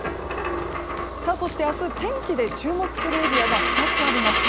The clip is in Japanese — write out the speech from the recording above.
そして明日、天気で注目するエリアが２つあります。